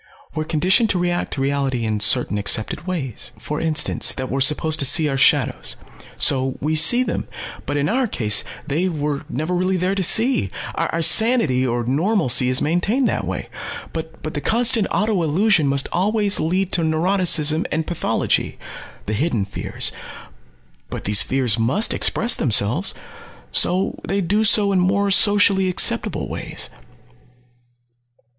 "We're conditioned to react to reality in certain accepted ways. For instance that we're supposed to see our shadows. So we see them. But in our case they were never really there to see. Our sanity or 'normalcy' is maintained that way. But the constant auto illusion must always lead to neuroticism and pathology the hidden fears. But these fears must express themselves. So they do so in more socially acceptable ways."